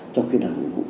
trong khi làm nhiệm vụ